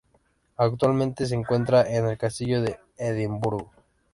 Actualmente se encuentra en el Castillo de Edimburgo.